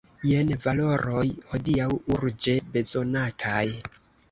Jen valoroj hodiaŭ urĝe bezonataj!